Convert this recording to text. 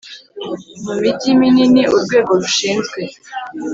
Mu mijyi minini urwego rushinzwe